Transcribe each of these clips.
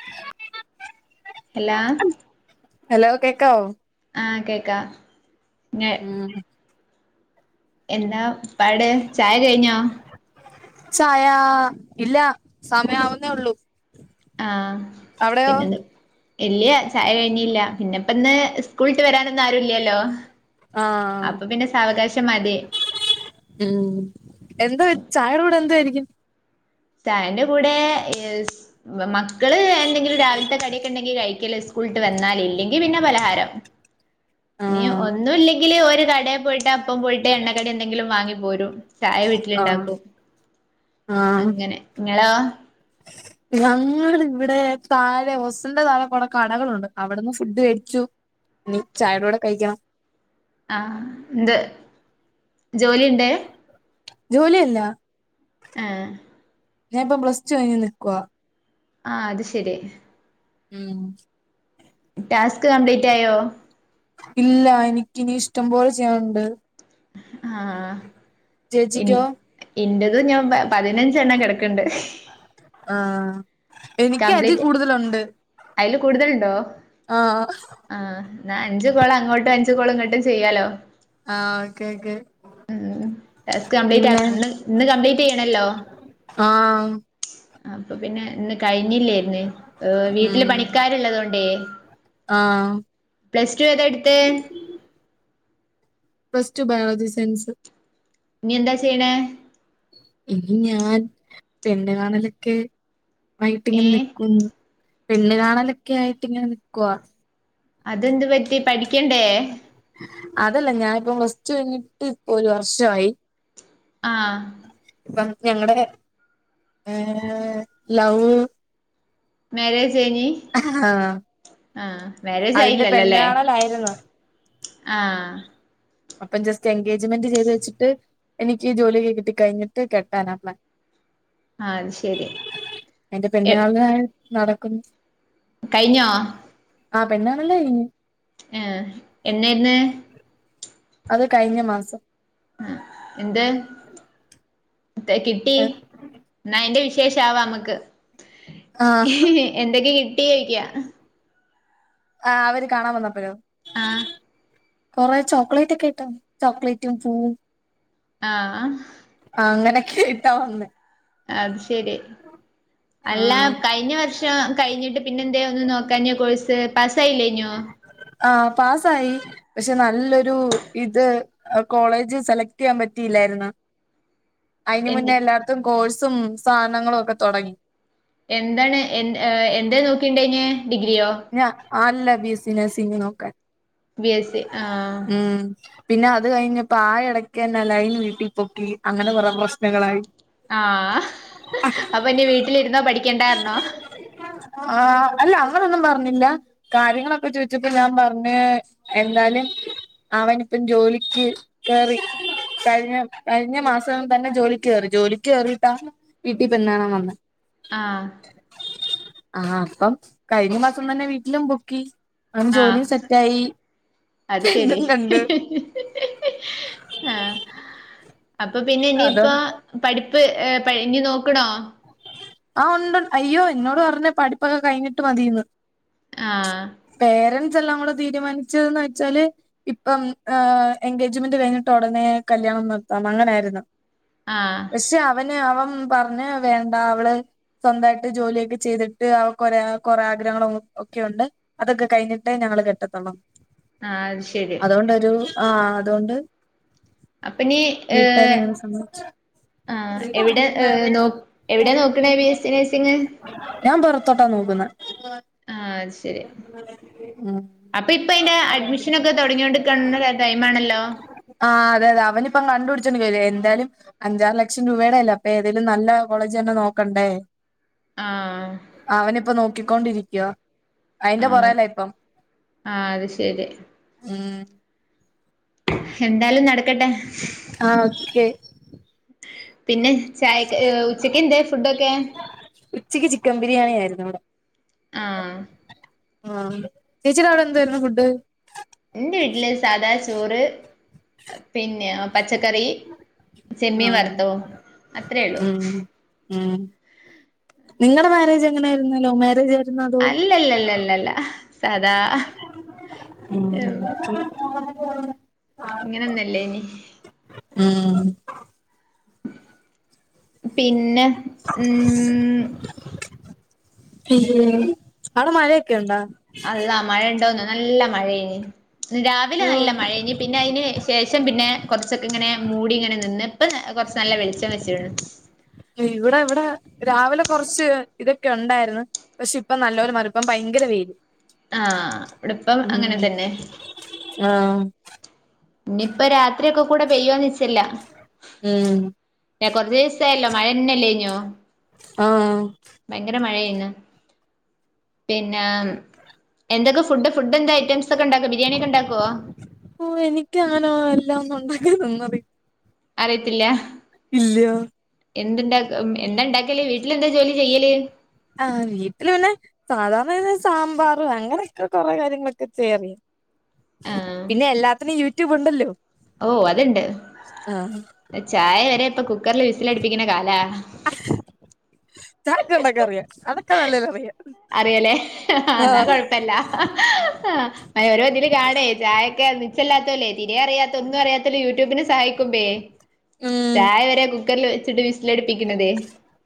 [unintelligible] Hello hello കേക്കോവൊ ആഹ് കേക്കാ ഉം എന്താ പാട് ചായ കഴിഞ്ഞോ ചായ ഇല്ല സമയവുന്നേ ഉള്ളൂ ആഹ് അവിടെയോ പിന്നെന്ത് ഇല്ലയ ചായ കഴിഞ്ഞില്ല പിന്നെ ഇപ്പ ഇന്ന് സ്കൂളിട്ട് വരാനൊന്നും ആരുല്ലല്ലോ ആഹ് മതി ഉം എന്താ ചായയുടെ കൂടെ എന്ത ആയിരിക്കും ചായന്റെ കൂടെ യെസ് മക്കൾ എന്തെങ്കിലും രാവിലത്തെ കടിയൊക്കെ ഉണ്ടെങ്കി കഴിക്കല്ലോ സ്കൂളിട്ട് വന്നാല ഇല്ലങ്കിൽ പിന്നെ പലഹാരം നീ ആഹ് ഒന്നുമ ഇല്ലെങ്കില് ഒരു കടൽ പോയിട്ട് അപ്പം പോയിട്ട് എണ്ണക്കടി എന്തെങ്കിലും വാങ്ങി പോരും ചായ ആഹ് വീട്ടിലുണ്ടാക്കും അങ്ങനെ നിങ്ങളാ ഞങ്ങൾ ഇവിടെ താഴെ ഒസന്റെ തഴെ കൊറ കടകളുണ്ട് അവിടുന്ന് ഫുഡ് കഴിക്കു ന ചായയുടെ കൂടെ കഴിക്കണം ആഹ് എന്ത് ജോലിയുണ്ട് ജോലിയല്ല ഏഹ് ഞാനിപ്പൊ പ്ലസ്ടു കഴിഞ് നിൽക്കുവാ ആ അത് ശരി ഉം ടാസ്ക് കംപ്ലീറ്റ് ആയോ ഇല്ല എനിക്കിനനി ഇഷ്ടം പോലെ ചെയ്യാനുണ്ട് ആഹ് ചേച്ചിക്കോ ഇന്റത് ഞാൻ പതിനഞ്ച് എണ്ണ കിടക്കണ്ട് ആഹ് എനിക്ക് അതിൽ കംപ്ലീറ്റ് കൂടുതലുണ്ട് ആഹ് ആ എന്നാ അഞ്ചു കോൾ അങ്ങോട്ടും അഞ്ചു കോൾ ഇങ്ങോട്ടും ചെയ്യാലോ ആഹ് ഓക്കെ ഓക്കെ ഉം ടാസ്ക് കംപ്ലീറ്റ് പിന്നെ ആക്കണം ഇന്ന് കംപ്ലീറ്റ് ചെയ്യണല്ലോ ആഹ് അപ്പൊ പിന്നെ കഴിഞ്ഞില്ലായിന്ന് വീട്ടില് ഉം പണിക്കാരുള്ളത കൊണ്ട് ആ പ്ലസ് ടു ഏതാ എടുത്തേ പ്ലസ് ടു ബയോജി സയൻസ് ഇനി എന്താ ചെയ്യണേ ഇനി ഞാൻ പെണ്ണ് കാണലൊക്കെ ആയിട്ടിങ്ങനെ ഏഹ് നിക്കുന്നു പെണ്ണ് കാണലൊക്കെ ആയിട്ട ഇങ്ങനെ നിക്കുവാ അതെന്ത് പറ്റി പഠിക്കണ്ടേ അതല്ല ഞാനിപ്പ പ്ലസ്ടു കഴിഞ്ഞിട്ട് ഇപ്പൊ ഒരു വർഷമായി ആഹ് ഇപ്പ ഞങ്ങളടെ ഏഹ് ലൗ മാര്യേജ് എന്തനി ആ ആഹ് മാര്യേജ് അതിന്റെ ആയില്ല പെണ്ണ് ല്ലേ കാണലായിരുന്നു ആഹ് അപ്പം ജസ്റ്റ് എൻഗേജ്മെന്റ് ചെയ്ത് വെച്ചിട്ട് എനിക്ക് ജോലീക്ക കിട്ടി കഴിഞ്ഞിട്ട് കെട്ടാനാ പ്ലാൻ ആഹ് അത് ശരി എന്റെ എ പെണ്ണുകാണല് നടക്കുന്നു കയിഞ്ഞോ ആഹ് പെണ്ണ് കാണല് കയിഞ്ഞ് ആഹ് എന്നെയിന്ന് അത് കഴിഞ്ഞ മാസം ആഹ് എന്ത് എന്താകിട്ടി ഏ, എന്ന അയിന്റെ വിശേഷ ആവാം നമ്മക്ക് ആഹ് ങ്‌ഹി ങ്‌ഹി ങ്‌ഹി എന്തടി കിട്ടി ചോയിക്ക ആഹ് അവര് കാണാൻ വന്നപ്പഴൊ ആഹ് കൊറെ ചോക്ലേറ്റ് ഒക്കെ ഇട്ട് ചോക്ലേറ്റും പൂവും ആങ്‌ഹ് ആഹ് അങ്ങനെക്കെട്ടാ വന്നെ അത് ശരി അല്ല ആഹ് കയിഞ്ഞ വർഷം കയിഞ്ഞിട്ട് പിന്നെ എന്ത ഒന്നും നോക്കാഞ്ഞു കോഴ്സ് പാസ്സായില്ലേഞ്ഞു ആഹ് പാസ്സായി പക്ഷെ നല്ലൊരു ഇത് കോളേജ് സെലക്ട് യ്യാൻ പറ്റിയില്ലാരുന്നു അതിന് എന്ത് മുന്നേ എല്ലാടത്തും കോഴ്സും സാധനങ്ങളും ഒക്കെ തൊടങ്ങി എന്താണ് എ എന്താ നോക്കേ ണ്ടന് ഡിഗ്രിയോ ഞ അല്ല ബിസിനസിങ് നോക്കാൻ ബി എസ് സി ആഹ് ഉം പിന്നെ അത് കഴിഞ്ഞപ്പ പായ എടക്ക് തന്നെ ലൈൻ വീട്ടി പൊക്കി അങ്ങന കൊറെ പ്രശ്നങ്ങളായി ആഹ്ങ്‌ അപ്പ ഇനി വീട്ടിലിരുന്നോ പഠിക്കണ്ടാ റിഞ്ഞോ ആഹ് അല്ല അങ്ങനൊന്നും പറഞ്ഞില്ല കാര്യങ്ങളൊക്കെ ചോയിച്ചപ്പ ഞാൻ പറഞ്ഞു എന്നാലും അവനിപ്പം ജോലിക്ക് കേറി കഴിഞ്ഞ കഴിഞ്ഞ മാസം തന്നെ ജോലിക്ക് കേറി ജോലിക്ക് കേറിട്ടാ വീട്ടി പെണ്ണ് ണാൻ വന്നെ ആഹ് ആഹ് അപ്പം കഴിഞ്ഞ മാസം തന്നെ വീട്ടിലും പൊക്കി അവൻ ആഹ് ജോലീം സെറ്റായി പെണ്ണും കണ്ട് ഹി ഹി ഹി ആഹ് അപ്പ പിന്ന അതോ ഇനിയിപ്പ പഠിപ്പ് ഏഹ് ഇപ്പ ഇനി നോക്കണോ ആഹ് ഉണ്ട് അയ്യോ എന്നോട് പറഞ്ഞേ പഠിപ്പൊക്കെ കയിഞ്ഞിട്ട് മതിന്ന് ആഹ് പേരന്റ്സ് എല്ലാം കൂട തീരുമാനിച്ചത് എന്ന് വെച്ചാല് ഇപ്പം എൻഗേജ്മെന്റ് കയിഞ്ഞിട്ട് ഒടനെ കല്യാണം നടത്താന്ന് അങ്ങനാരുന്ന് ആഹ് പക്ഷെ അവന് അവൻ പറഞ്ഞു വേണ്ട അവള് സ്വന്തായിട്ട് ജോലിയൊക്കെ ചെയ്തിട്ട് അവക്ക് ഒരേ കൊറെേ ആഗ്രഹങ്ങളും ക്കെയുണ്ട് അതൊക്കെ കയിഞ്ഞിട്ടേ ഞങ്ങള് കെട്ടത്തൊള്ളന്ന് ആഹ് അത് ശരി അതുണ്ടൊരു ആഹ് അ തൊണ്ട് അപ്പനീ ഏഹ് ആഹ് എവിടെ ഏഹ് നോ എവിടെ നോക്കണേ ബിഎസ് സി നേഴ്സിംഗ് ഞാൻ പുറത്തോട്ട നോക്കുന്ന ആഹ് ഉം അപ്പ ഇപ്പ അയിന്റെ അഡ്മിഷനൊക്കെ തൊടങ്ങോണ്ട്ക്കണ ടൈമാണല്ലോ? ആഹ് അതെ അതെ അവനി പ്പം കണ്ട് ട്ച്ച്ണ് വരേ എന്തായാലും അഞ്ചാറ് ലക്ഷം രൂപയുടെ അല്ലേ അപ്പേ ഏതേലും നല്ല കോളേജ് തന്നെ നോക്കണ്ടേ ആഹ് അവനി പ്പോ നോക്കി കൊണ്ട് ഇരിക്ക്യ. അയിന്റെ ആഹ് പൊറേല ഇപ്പം ആഹ് അത് ശരി ഉം എന്താലും നടക്കട്ടെ ആഹ് ഉം. ഓക്കെ പിന്നെ? ചായക്ക് ഹ് ഉച്ചക്കെ ന്തേ ഫുഡൊക്കെ? ഉച്ചക്ക് ചിക്കൻ ബിരിയാണി ആയിരുന്നു ഇവടെ. ആഹ് ആഹ് ചേച്ചിടെ അവടെ എന്ത് ആയിരുന്നു ഫുഡ്? ഇന്റെ വീട്ട്ല് സാദാ ചോറ് പിന്നെ പച്ചക്കറി. ചെമ്മീ ആഹ് വർത്തതും അത്ര ള്ളു. ഉം ഉം നിങ്ങളെ മാരേജ് എങ്ങനെ ആയിരുന്നു? ലവ് മാരേജ് ആ അല്ല ല്ല ല്ല ല്ല ല്ല ല്ല സാദാ. ഉം ഉം ഇങ്ങനെ ഒന്ന് ല്ലേനി. ആഹ് പിന്നെ? ഉം [inaudible] [unintelligible] അഒടെ മഴക്കെ ണ്ടാ? അള്ള മഴ ണ്ടോന്നോ നല്ല മഴേഞ്ഞ് രാവിലെ അയ്യോ നല്ല മഴേഞ്ഞ് പിന്നെ അയിന് ശേ ശേഷം പിന്നെ കൊർച്ച് ഒക്കെ ഇങ്ങനെ മൂടി ങ്ങനെ നിന്ന്. ഇപ്പ ന കൊർച്ച് നല്ല വെളിച്ചം വെച്ച്ണ്. ഇവിടെ വടെ രാവിലെ കൊർച്ച് ഇതൊക്കെ ണ്ടായിരുന്ന്. പക്ഷെ ഇപ്പ നല്ല ഓല മറി ഇപ്പം ഭയങ്കര വെയില് ആഹ് ഇവടെ ഇപ്പം ഉം അങ്ങനെ തന്നെ. ആഹ് ഞ്ഞിപ്പ രാത്രി ഒക്കെ കൂടെ പെയ്യോന്ന് ച്ച് ല്ല. ഉം ഏഹ് കൊർച്ച് സായല്ലോ മഴന്നെ ല്ലേഞ്ഞോ? ആഹ് ഭയങ്കര മഴയേന്ന് പിന്നെ എന്തൊക്കെ ഫു ഫുഡ്‌ ഫുഡിന്റെ ഐറ്റംസ് ക്കെ ണ്ടാക്കോ ബിരിയാണി ക്കെ ണ്ടാക്കോ? ഓഹ് എനിക്ക് അങ്ങനെ എല്ലാം ഒന്നും ണ്ടാക്കാൻ ഒന്നും അറി അറിയത്തില്ല? ഇല്ല്യ. എന്ത് ണ്ടാക്ക എന്താ ണ്ടാക്കല് വീട്ട്ല് എന്താ ജോലി ചെയ്യല്? ആഹ് വീട്ട്ല് ആണ് സാധാരണ ഞാൻ സാമ്പാറ് അങ്ങനെ ഒക്കെ കൊറെ കാര്യങ്ങള് ക്കെ ചെയ്യാൻ അറിയും. ആഹ് പിന്നെ എല്ലാത്തിനും യൂട്യൂബ് ഉണ്ടല്ലോ? ഓഹ് അത്ണ്ട് ചായ വരെ പ്പൊ കുക്കർൽ വിസിലടിപ്പിക്ക്ണ കാലാ. [unintelligible] ചായ ഒക്കെ ണ്ടാക്കാൻ അറിയാ അതക്കെ നല്ലോല അറിയാ. അറിയല്ലേ? ന്നാ കൊഴ പെല്ലാ ഓരോ ത്‌ല് കാണേ ചായൊക്കെ നിച്ചല്ലാത്തോലേ ഇനി അറിയാത്ത ഒന്നും അറിയാത്ത ല് യൂട്യൂബിന് സഹായിക്കുമ്പേ ഉം ചായ വരെ കുക്കർൽ വെച്ച്ട്ട് വിസ് ലെടുപ്പിക്കുന്നതേ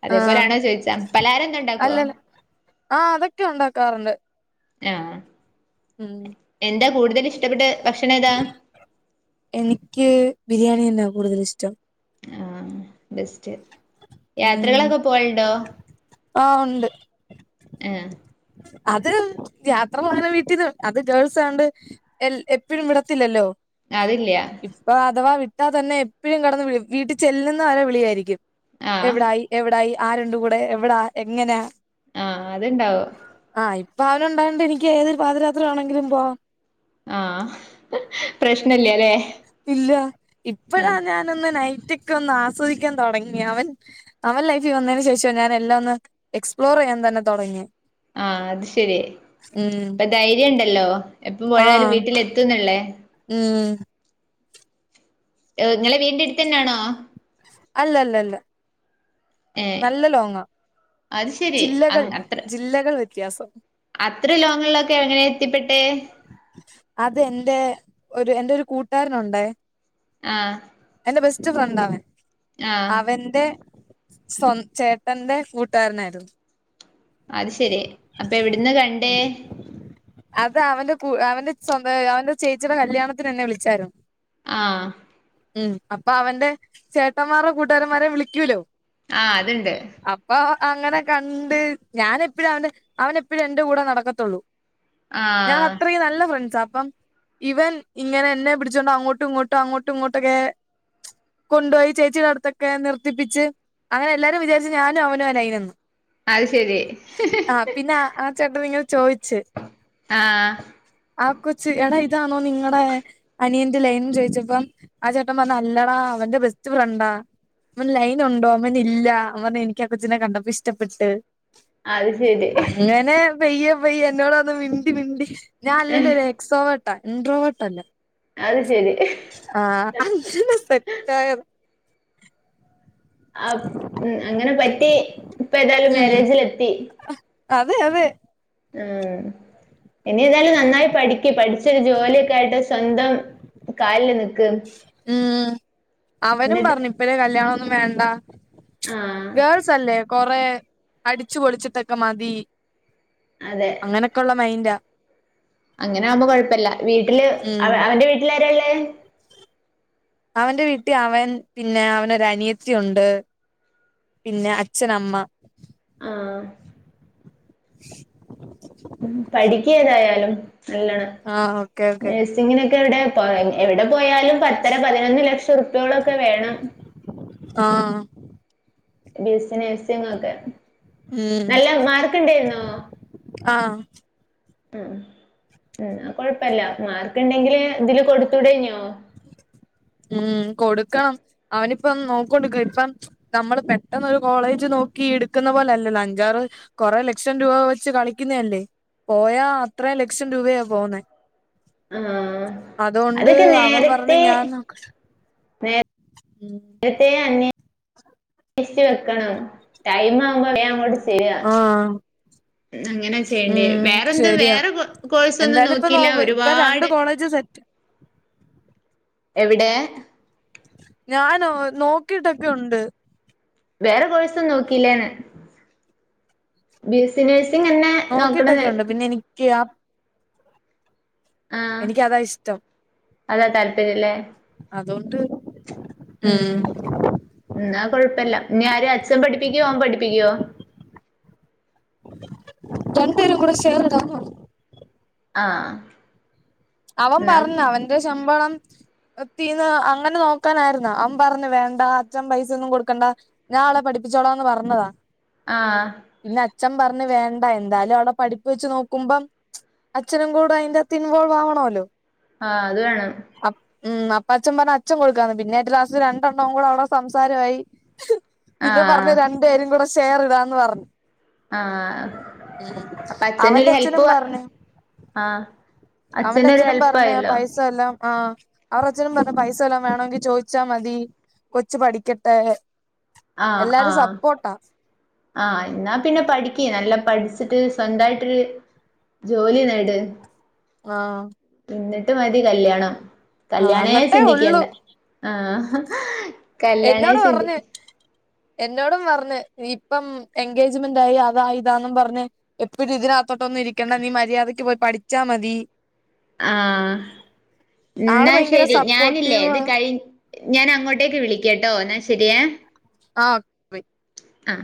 അതേ ആഹ് പോലാണോ ചോയിച്ചാ. പലഹാരം ന്ത് ണ്ടാക്കോ? അല്ലല്ല ആഹ് അതൊക്കെ ഉണ്ടാക്കാറുണ്ട്. യാഹ് ഉം എന്താ കൂടുതല് ഇഷ്ടപ്പെട്ട് ഭക്ഷണം ഏതാ? എനിക്ക് ബിരിയാണി ന്നെ കൂടുതൽ ഇഷ്ടം. ആഹ് ബെസ്റ്റ് ഉം യാത്രകളൊക്കെ പോയലുണ്ടോ? ആഹ് ഉണ്ട് ഏഹ്. അത് യാത്ര പോ [unintelligible] അത് ഗേൾസായോണ്ട് എൽ എപ്പ്ഴും വിടത്തില്ലല്ലോ. ഏഹ് അത്‌ല്ല്യാ ഇപ്പൊ അഥവാ വിട്ടാ തന്നെ എപ്പഴും കെടന്ന് വിളി വീട്ടി ചെല്ല്ന്ന വരെ വിളിയായിരിയ്ക്കും. ആഹ് എവിടായി എവ്ടായി ആരുണ്ട് കൂടെ എവടാ എങ്ങനാ ആഹ്, അത്ണ്ടാവു ആഹ്, ഇപ്പ അവനുണ്ടായോണ്ട്നിയ്ക്ക് ഏതൊരു പാതിരാത്രി വേണെങ്കിലും പോവാ. ആഹ്, പ്രശ്നല്ല്യലേ. ഇല്ല. ഇപ്പഴാ ഞാനൊന്ന് നൈറ്റൊക്കെ ഒന്ന് ആസ്വദിയ്ക്കാൻ തൊടങ്ങി അവൻ അവൻ ലൈഫി വന്നേന് ശേഷ ഞാന് എല്ലാം ഒന്ന് എക്സ്പ്ലോറെയ്യാൻ തന്നെ തൊടങ്ങിയെ. ആഹ് അത് ശെരി. ഉം ഇപ്പ ധൈര്യണ്ടല്ലോ എപ്പം പോയാലും ആഹ് വീട്ടിലെത്തുംന്ന്ള്ളേ. ഉം. എഅ്, ങ്ങെളെ വീട്ൻ്റെട്ത്തെന്നാണോ? അല്ലല്ലല്ല ഏഹ് നല്ല ലോങ്ങാ. അത് ശരി ജില്ലകൾ, അങ് അത്ര ജില്ലകൾ വ്യത്യാസം. അത്ര ലോങ്ങ്ള്ളൊക്കെ എങ്ങനെ എത്തിപ്പെട്ടേ? അത് എൻ്റെ ഒരു എൻ്റൊരു കൂട്ടാരനൊണ്ടേ ആഹ്. എന്റെ ബെസ്റ്റ് ഫ്രണ്ടാണ്. ആഹ് അവൻ്റെ സ്വ ചേട്ടന്റെ കൂട്ടാരനായിര്ന്നു. അത് ശെരി. അപ്പ എവിട്ന്നാ കണ്ടേ? അത് അവന്റെ കൂ അവന്റെ സ്വന്ത അവന്റെ ചേച്ചിടെ കല്ല്യാണത്തിന് എന്നെ വിളിച്ചാര്ന്നു. ആഹ്. ഉം. അപ്പൊ അവന്റെ ചേട്ടമ്മാരോ കൂട്ടുകാരമ്മാരോ വിളിക്കൂലോ ആഹ്, അത്ണ്ട്. അപ്പൊ അങ്ങനെ കണ്ട് ഞാനെപ്പഴും അവന്റെ അവനെപ്പഴും എന്റെ കൂടെ നടക്കത്തോള്ളൂ. ഞാ [unintelligible] ആഹ് അത്രീം നല്ല ഫ്രണ്ട്സാ. അപ്പം ഇവൻ ഇങ്ങനെ എന്നെ പിടിച്ചോണ്ട് അങ്ങോട്ടും ഇങ്ങോട്ട അങ്ങോട്ടും ഇങ്ങോട്ടൊക്കെ കൊണ്ടോയി ചേച്ചിടെ അട്ത്തൊക്കെ നിർത്തിപ്പിച്ച് അങ്ങനെ എല്ലാരും വിചാരിച്ച് ഞാനും അവനുഅ ലൈനെന്ന്. അയ് ശെരി. ആഹ്, പിന്നാ ആ ചേട്ടനിങ്ങനെ ചോയിച്ച്. ആഹ് ആഹ്. ആ കൊച്ച് എട ഇതാന്നോ നിങ്ങടേ അനിയന്റെ ലൈന് ന്ന് ചോയ്ച്ചപ്പം ആ ചേട്ടൻ അല്ലടാ അവന്റെ ബെസ്റ്റ് ഫ്രണ്ടാ ൻ ലൈനുണ്ടോ? മ്മർഞ്ഞ് ഇല്ലാ അവൻ പർഞ്ഞ് എനിയ്ക്കാ കൊച്ചിനെ കണ്ടപ്പൊ ഇഷ്ടപ്പെട്ട് അത് ശരി അങ്ങനെ പെയ്യെ പെയ്യെ എന്നോട് വന്ന് മിണ്ടി മിണ്ടി ഞാൻ അല്ലേലും ഒര് എക്സോവെർട്ടാ ഇൻഡ്രോ വേർട്ടല്ല. അത് ശെരി. ആഹ്, അഞ്ചുനേ സെറ്റായ അപ് ഉം, അങ്ങനെ പറ്റീ ഇപ്പ ഏതായാലും മേരേജിലെത്തി. അഹ്, അതെ യതെ. ഉം, ഇനിയേതായാലും നന്നായി പഠിയ്ക്ക്. പഠിച്ചൊരു ജോലിയൊക്കെ ആയിട്ട് സ്വന്തം കാലില് നി ഉം, അവനും എന്നിട്ട് പർഞ്ഞ് ഇപ്പഴേ കല്യാണൊന്നും വേണ്ടാ ആഹ് ഗേൾസല്ലെ കൊറേ അടിച്ചു പൊളിച്ചിട്ടൊക്കെ മതീ. അതെ അങ്ങനൊക്കൊള്ള മൈന്റാ. അങ്ങനെ ആവുമ്പോ കൊഴപ്പല്ല. വീട്ട്ല് അവ അവന്റെ വീട്ട്ലാരാള്ളഅ്. അവന്റെ വീട്ടി അവൻ പിന്നെ അവനൊര നിയത്തി ഒണ്ട്. പിന്നെ, അച്ഛനമ്മ. ആഹ ഉം പഠിക്ക്യതായാലും നല്ലണം ആഹ് ഓക്കെ ഓക്കെ ങ്ങിനൊക്കെ എവിടെ എവിടെ പോയാലും പത്തര പതിനൊന്ന് ലക്ഷം ർപ്യോളൊക്കെ വേണം ആഹ് ആ ബി എസ് സി നേഴ്സിങ്ങൊക്കെ ഉം നല്ല മാർക്ക്ണ്ടേർന്നോ ആഹ് ഉം ആ കൊഴപ്പല്ല മാർക്ക്ണ്ടെങ്കില് ഇതില് കൊടുത്തൂടഞ്ഞോ ഉം കൊടുക്കണം അവനിപ്പം നോക്കോണ്ട്ക്ക ഇപ്പം നമ്മള് പെട്ടെന്നൊരു കോളേജ് നോക്കി ഇട്ക്കുന്ന പോലല്ലല്ലോ അഞ്ചാറ് കൊറെ ലക്ഷം രൂപ വെച്ച് കളിക്കുന്നല്ലേ പോയാ അത്രൊം ലക്ഷം രൂപയാ പോകുന്നേ ഹാ അതൊക്കെ അവൻ പറഞ്ഞ് നേരത്തെ ഞാൻ നോക്ക നേരത്തെ അന്വോഷ്ച്ച് വെക്കണം ടൈം ആവുമ്പോ വേ അങ്ങട് ആഹ് ആ അങ്ങനെ ചെയ്യണ്ടിയെ ഉം വേറെന്ത് ശരിയാ വേറെ കോ കോഴ്സൊന്നും എന്തായാലും ഇപ്പ നോ നോക്കിയില്ല ഇപ്പ രണ്ട് ഒരുപാട് കോളേജ് സെറ്റ് എവിടെ ഞാനോ നോക്കിട്ടൊക്കെ ഉണ്ട് വേറെ കോഴ്സൊന്നും നോക്കിയില്ലേ ന്ന് ബി എസ് സി നേഴ്സിങ് എന്നെ നോക്ക്ണത് കിയാ ആഹ് എനിക്ക് അതാ ഇഷ്ടം അതാ താല്പര്യല്ലേ അതോണ്ട് ഉം ന്നാ കൊഴപ്പെല്ലഞി ആര അച്ഛൻ പഠിപ്പിക്കുവോ ഓൻ പഠിപ്പിക്ക്യോ രണ്ട് പേരും കൂടെ ഷേർടാന്ന് പർഞ്ഞു ആഹ് അവൻ എന്നാ പറഞ്ഞ അവൻന്റെ ശമ്പളം തീന്ന് അങ്ങനെ നോക്കാനായിരുന്നോ അവൻ പറഞ്ഞു വേണ്ട അച്ഛൻ പൈസ ഒന്നും കൊടുക്കണ്ട ഞാൻ അവളെ പഠിപ്പിച്ചോളാ ന്ന് പർഞ്ഞതാ ആഹ് പിന്നെ അച്ഛൻ പറഞ് വേണ്ട. എന്തായാലും അവൾടെ പഠിപ്പ് വെച്ച് നോക്കുമ്പം അച്ഛനും കൂടെ അയ്ൻ്റൊത്ത് ഇൻവോൾവ് ആവണോല്ലോ ആഹ് അത് വേണം ഉം അപ്പ അച്ഛൻ പറഞ്ഞു അച്ഛൻ കൊടുക്കാന്ന് പിന്നെ ഏറ്റം ലാസ്റ്റ് രണ്ടെണ്ണംവും കൂടെ അവിടെ സംസാരായി പിന്നെ ആഹ് പറഞ്ഞ് രണ്ടേരും കൂടെ ഷെയർ ഇടാന്ന് പറഞ്ഞു ആഹ് ഉ അപ്പൊ അവന്റെ അച്ഛനൊരു അച്ഛനും ഹെൽപ്പ് പറഞ്ഞ് ആഹ് അവന്റെ അച്ഛനൊരു അച്ഛനും പറഞ്ഞ് ആ ഹെൽപ്പായല്ലോ പൈസയെല്ലാം ആഹ് അവർ അച്ഛനും പറഞ്ഞ പൈസ എല്ലാം വേണമെങ്കി ചോയിച്ചാ മതി കൊച്ചു പഠിക്കട്ടെ ആഹ് എല്ലാരും ആഹ് സപ്പോർട്ടാ ആഹ് എന്നാ പിന്നെ പഠിക്ക്. നല്ല പഠിച്ചിട്ട് സ്വന്തായിട്ടെരു ജോലി നേട് ആഹ് എന്നിട്ട് മതി കല്യാണം ആഹ് കല്യാണേ എന്നിട്ടേ ഉള്ളൂ ചിന്തിക്കണ്ട ആഹ ഹ് എന്നോട് പറഞ്ഞ് എന്നോടും പറഞ്ഞ് ഇപ്പം എൻഗേജ്മെന്റ് ആയി അതാ ഇതാന്നും പർഞ്ഞ് എപ്പഴും ഇതിനകത്തോട്ടൊന്നും ഇരിക്കണ്ട നീ മര്യാദക്ക് പോയി പഠിച്ചാ മതി ആഹ് ആള് ന്നാ ഭയങ്കര ശരി ഞാനില്ലേ സപ്പോർട്ടീവാ ത് കഴി ഞാൻ അങ്ങോട്ടേക്ക് വിളിക്കട്ടോ എന്നാ ശരിയേ ആഹ ആഹ്